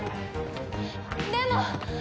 でも！